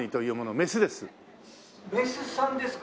メスさんですか。